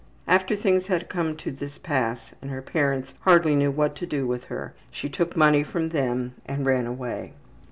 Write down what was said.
After things had come to this pass and her parents hardly knew what to do with her, she took money from them and ran away.